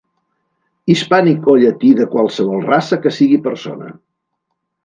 Hispànic o llati de qualsevol raça que sigui persona.